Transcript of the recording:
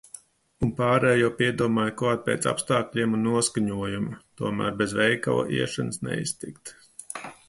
Un pārējo piedomāju klāt pēc apstākļiem un noskaņojuma. Tomēr bez veikala iešanas neiztikt.